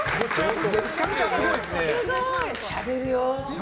しゃべるよ。